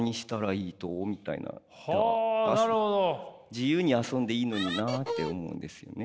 自由に遊んでいいのになって思うんですよね。